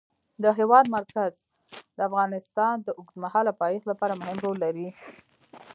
د هېواد مرکز د افغانستان د اوږدمهاله پایښت لپاره مهم رول لري.